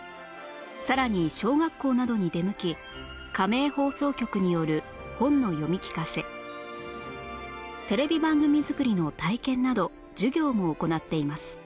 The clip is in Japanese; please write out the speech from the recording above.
さらに小学校などに出向き加盟放送局による本の読み聞かせテレビ番組作りの体験など授業も行っています